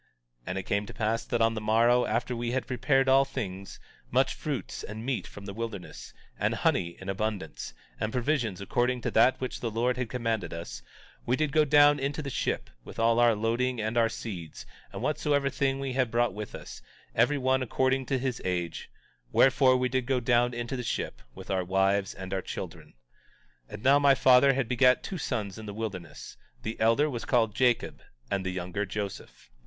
18:6 And it came to pass that on the morrow, after we had prepared all things, much fruits and meat from the wilderness, and honey in abundance, and provisions according to that which the Lord had commanded us, we did go down into the ship, with all our loading and our seeds, and whatsoever thing we had brought with us, every one according to his age; wherefore, we did all go down into the ship, with our wives and our children. 18:7 And now, my father had begat two sons in the wilderness; the elder was called Jacob and the younger Joseph.